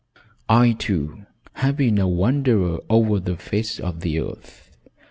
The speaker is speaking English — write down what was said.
"I, too, have been a wanderer over the face of the earth.